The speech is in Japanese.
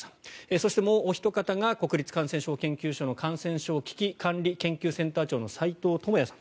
そしてもうおひと方が国立感染症研究所の感染症危機管理研究センター長の齋藤智也さん。